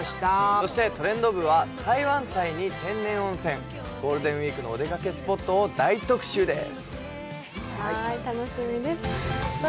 そして「トレンド部」は台湾祭に天然温泉、ゴールデンウイークのお出かけスポットを大特集です。